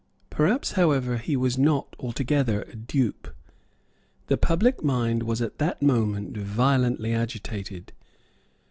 Perhaps, however, he was not altogether a dupe. The public mind was at that moment violently agitated.